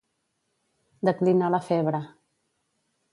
Declinar la febre.